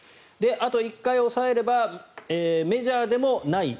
あと１回抑えればメジャーでもない